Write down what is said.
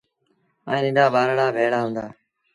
ائيٚݩ ننڍآ ٻآرڙآ ڀيڙآ هُݩدآ ۔